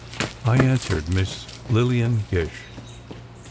I answered, "Miss Lillian Gish."